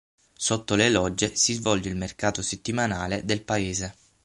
Sotto le Logge si svolge il mercato settimanale del paese.